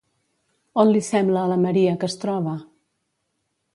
On li sembla a la Maria que es troba?